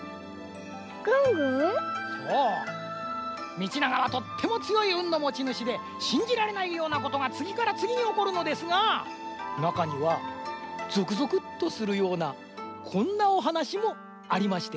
みちながはとってもつよいうんのもちぬしでしんじられないようなことがつぎからつぎにおこるのですがなかにはゾクゾクッとするようなこんなおはなしもありまして。